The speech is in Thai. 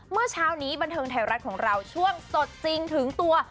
เมื่อเช้านี้บันเทิงไทยรัฐของเราช่วงสดจริงถึงตัว